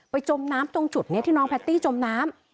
จมน้ำตรงจุดนี้ที่น้องแพตตี้จมน้ำ